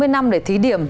bốn mươi năm để thí điểm